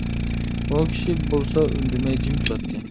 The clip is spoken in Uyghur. ئۇ كىشى بولسا ئۈندىمەي جىم تۇراتتى.